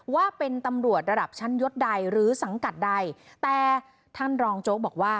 ว่าเป็นตำรวจระดับชั้นยศใดหรือสังกัดใดแต่ท่านรองโจ๊กบอกว่า